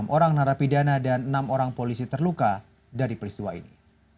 enam orang narapidana dan enam orang polisi terluka dari peristiwa ini